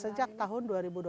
sejak tahun dua ribu dua puluh